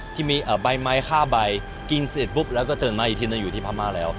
ที่มีใบไม้๕ใบกินเสร็จปุ๊บแล้วก็ตื่นมาอีกทีหนึ่งอยู่ที่พม่าแล้ว